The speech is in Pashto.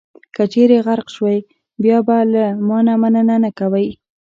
که چېرې غرق شوئ، بیا به له ما مننه نه کوئ.